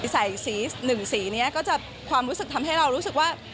ใส่สีหนึ่งสีนี้ก็จะความรู้สึกทำให้เรารู้สึกว่า